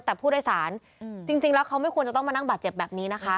แต่ผู้โดยสารจริงแล้วเขาไม่ควรจะต้องมานั่งบาดเจ็บแบบนี้นะคะ